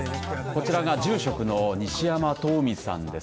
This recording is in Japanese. こちらが住職の西山十海さんです。